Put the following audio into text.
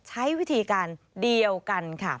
ใช้วิธีการเดียวกันค่ะ